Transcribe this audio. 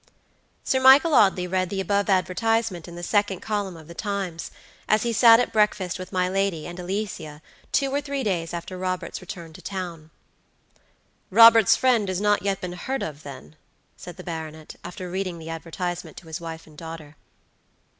Sir Michael Audley read the above advertisement in the second column of the Times, as he sat at breakfast with my lady and Alicia two or three days after Robert's return to town. "Robert's friend has not yet been heard of, then," said the baronet, after reading the advertisement to his wife and daughter.